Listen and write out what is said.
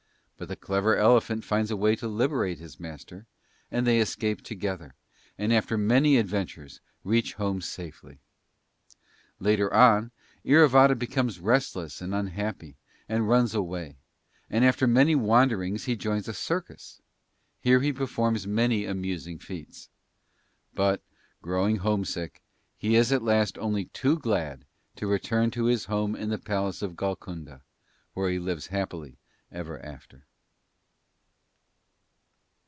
But the clever Elephant finds a way to liberate his Master, and they escape together, and after many adventures reach home safely. Later on Iravata becomes restless and unhappy, and runs away, and after many wanderings, he joins a Circus. Here he performs many amusing feats. But, growing homesick, he is at last only too glad to return to his home in the Palace of Golconda, where he lives happily ever after.